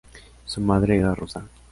Su madre era rusa.